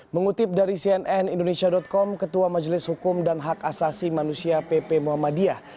mengutip dari cnn indonesia com ketua majelis hukum dan hak asasi manusia pp muhammadiyah